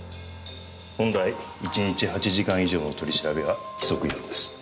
本来１日８時間以上の取り調べは規則違反です。